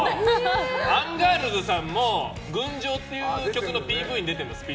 アンガールズさんも「群青」っていう曲のＰＶに出てるの。